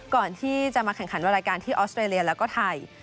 ก่อนที่จะมาแข่งขันวันรายการที่ออสเตรเลียแล้วก็ไทย